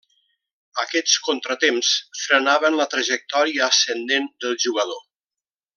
Aquests contratemps frenaven la trajectòria ascendent del jugador.